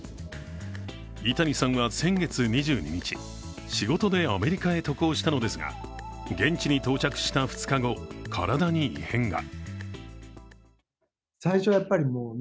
井谷さんは先月２２日、仕事でアメリカへ渡航したのですが現地に到着した２日後体に異変が。